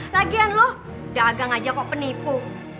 lagian loh dagang aja kok penipu